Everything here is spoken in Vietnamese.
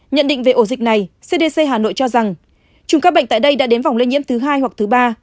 nhận định về ổ dịch này cdc hà nội cho rằng chung các bệnh tại đây đã đến vòng lây nhiễm thứ hai hoặc thứ ba